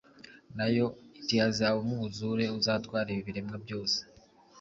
na yo iti ‘hazaba umwuzure uzatwara ibi biremwa byose